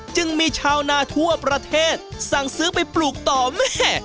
จึงมีชาวนาทั่วประเทศสั่งซื้อไปปลูกต่อแม่